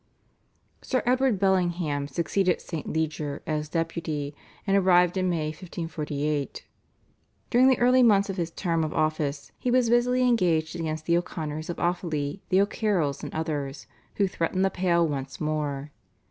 Sir Edward Bellingham succeeded St. Leger as Deputy, and arrived in May 1548. During the early months of his term of office he was busily engaged against the O'Connors of Offaly, the O'Carrolls, and others, who threatened the Pale once more.